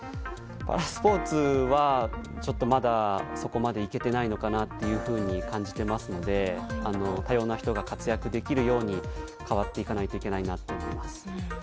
パラスポーツはちょっとまだそこまでいけてないのかなというふうに感じていますので多様な人が活躍できるように変わっていかないとと思います。